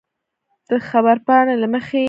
د خبرپاڼې له مخې